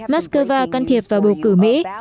moskova can thiệp vào bầu cử mỹ